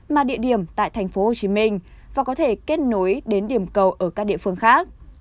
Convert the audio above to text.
mà địa điểm tại tp hcm và có thể kết nối đến điểm cầu ở các địa phương khác